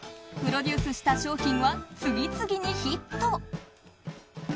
プロデュースした商品は次々にヒット。